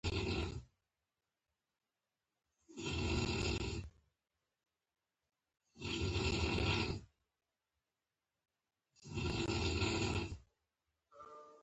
انډریو ډاټ باس په حیرانتیا ورته وکتل